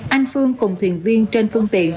anh phương cùng thuyền viên trên phương tiện